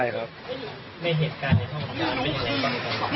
ไม่เห็นการในห้องบ้านก็ไม่เห็นในห้องบ้าน